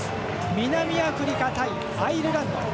南アフリカ対アイルランド。